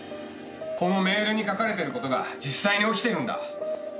このメールに書かれてることが実際に起きてるんだ。